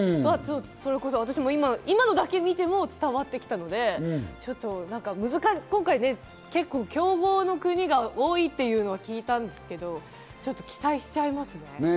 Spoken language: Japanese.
それこそ今のだけ見ても伝わってきたので、今回、結構強豪の国が多いっていうのを聞いたんですけど、ちょっと期待しちゃいますね。